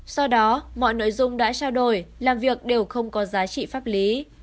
do đó mọi nội dung đã trao đổi làm việc đều không có giá trị pháp lý